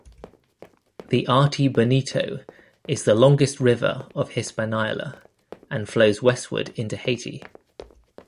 The Artibonito is the longest river of Hispaniola and flows westward into Haiti.